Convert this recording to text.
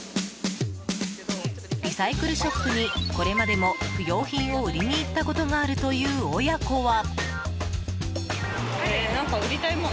リサイクルショップにこれまでも不用品を売りに行ったことがあるという親子は。